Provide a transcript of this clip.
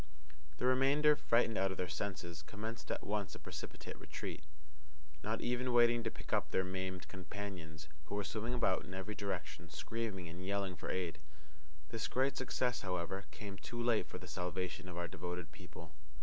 The remainder, frightened out of their senses, commenced at once a precipitate retreat, not even waiting to pick up their maimed companions, who were swimming about in every direction, screaming and yelling for aid. This great success, however, came too late for the salvation of our devoted people.